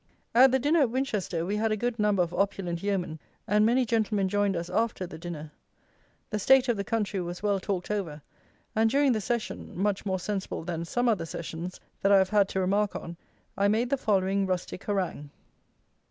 At the dinner at Winchester we had a good number of opulent yeomen, and many gentlemen joined us after the dinner. The state of the country was well talked over; and, during the session (much more sensible than some other sessions that I have had to remark on), I made the following _RUSTIC HARANGUE.